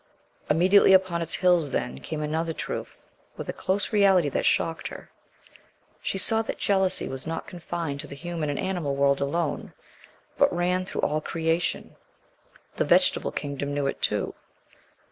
Immediately upon its heels, then, came another truth, with a close reality that shocked her. She saw that jealousy was not confined to the human and animal world alone, but ran though all creation. The Vegetable Kingdom knew it too.